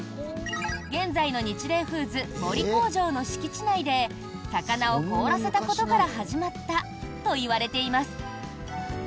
現在のニチレイフーズ森工場の敷地内で魚を凍らせたことから始まったといわれています。